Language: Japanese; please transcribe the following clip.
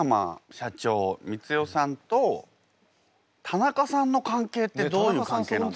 社長光代さんと田中さんの関係ってどういう関係なんですか？